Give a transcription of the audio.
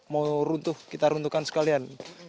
mau runtuh kita runtuhkan sekalian